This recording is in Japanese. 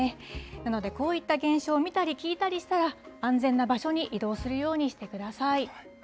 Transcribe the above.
なので、こういった現象を見たり聞いたりしたら、安全な場所に移動するようにしてください。